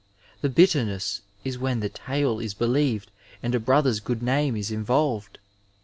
The bitterness is wh^ the tale is believed and a brother's good name is involved.